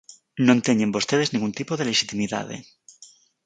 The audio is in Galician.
Non teñen vostedes ningún tipo de lexitimidade.